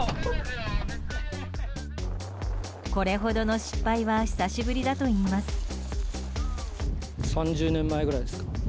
これほどの失敗は久しぶりだといいます。